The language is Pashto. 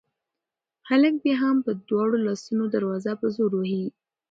هلک بیا هم په دواړو لاسونو دروازه په زور وهي.